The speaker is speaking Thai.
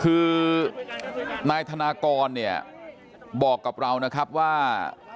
คือนายธนากรเนี่ยบอกกับเรานะครับว่า